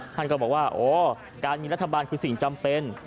ภูมิบองมาว่ามีรัฐบาลคือสิ่งจำเป็น